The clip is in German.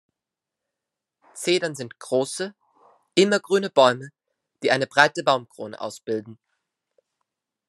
Zedern sind große, immergrüne Bäume, die eine breite Baumkrone ausbilden.